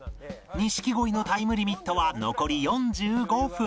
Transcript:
錦鯉のタイムリミットは残り４５分